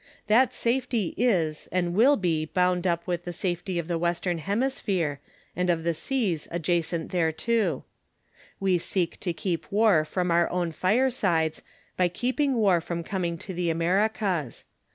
That safety is and will be bound up with the safety of the Western Hemisphere and of the seas adjacent thereto. We seek to keep war from our own firesides by keeping war from coming to the Americas.